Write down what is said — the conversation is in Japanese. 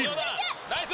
ナイス！